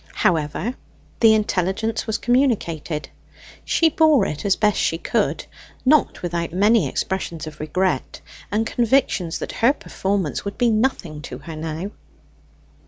However, the intelligence was communicated. She bore it as she best could, not without many expressions of regret, and convictions that her performance would be nothing to her now.